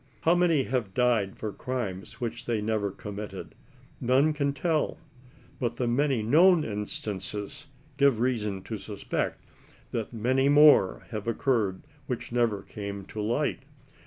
How many have died for crimes which they never committed, none can tell ; but the many known instances give reason to suspect that many, more have occurred which never came to light.